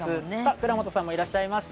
倉本さんもいらっしゃいました。